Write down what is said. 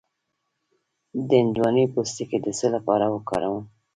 د هندواڼې پوستکی د څه لپاره وکاروم؟